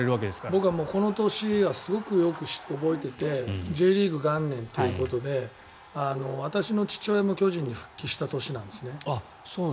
僕はこの年はすごくよく覚えててＪリーグ元年ということで私の父親も巨人に復帰した年なんですね。